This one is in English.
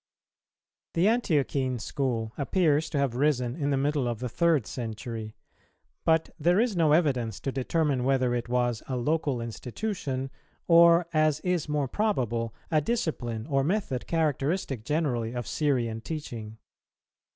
The Antiochene School appears to have risen in the middle of the third century; but there is no evidence to determine whether it was a local institution, or, as is more probable, a discipline or method characteristic generally of Syrian teaching.